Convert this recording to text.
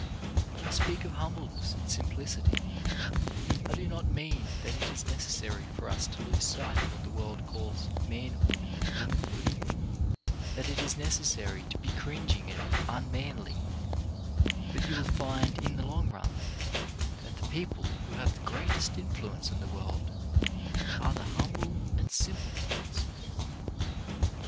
When I speak of humbleness and simplicity, I do not mean that it is necessary for us to lose sight of what the world calls manhood and womanhood ; that it is necessary to be cringing and unmanly; but you will find, in the long run, that the people who have the greatest influence in the world are the humble and simple ones.